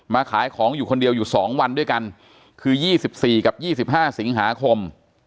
ขายของอยู่คนเดียวอยู่๒วันด้วยกันคือ๒๔กับ๒๕สิงหาคม